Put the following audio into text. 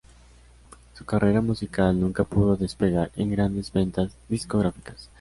Su carrera musical nunca pudo despegar en grandes ventas discográficas.